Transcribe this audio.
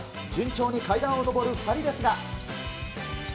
順調に階段を上る２人ですが。